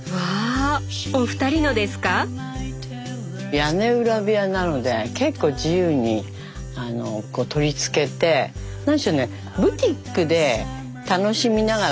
屋根裏部屋なので結構自由に取り付けて何しろねブティックのような配置。